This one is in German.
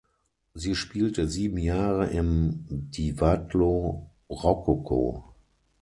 Sie spielte sieben Jahre im Divadlo Rokoko.